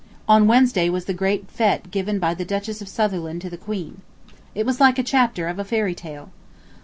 On Wednesday was the great fête given by the Duchess of Sutherland to the Queen. It was like a chapter of a fairy tale.